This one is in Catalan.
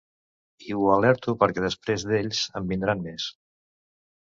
I ho alerto perquè després d’ells, en vindran més.